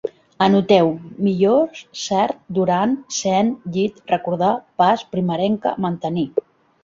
Anoteu: millors, cert, durant, cent, llit, recordar, pas, primerenca, mantenir